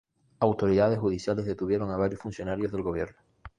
Autoridades judiciales detuvieron a varios funcionarios del gobierno.